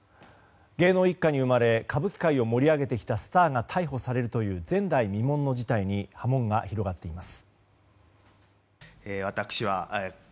芸能一家に生まれ、歌舞伎界を盛り上げてきたスターが逮捕されるという前代未聞の事態に波紋が広がっています。